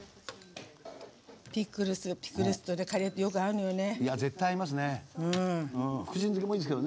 ピクルスとカレーってよく合うのよね。